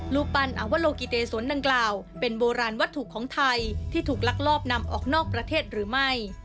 รูปปั้นอวโลกิเตสวนดังกล่าวเป็นโบราณวัตถุของไทยที่ถูกลักลอบนำออกนอกประเทศหรือไม่